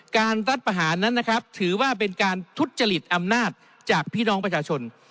รัฐประหารนั้นนะครับถือว่าเป็นการทุจจริตอำนาจจากพี่น้องประชาชน